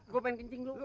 gue pengen kencing lu